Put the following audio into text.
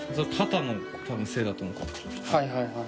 はいはい。